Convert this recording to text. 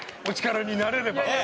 お力になれれば。